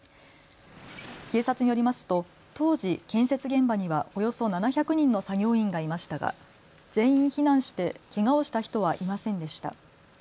警察によりますと当時、建設現場にはおよそ７００人の作業員がいましたが全員避難してけがをした人はいませんでした。